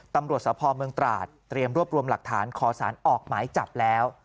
ตำรวจสภเมืองตราดเตรียมรวบรวมหลักฐานขอสารออกหมายจับแล้ว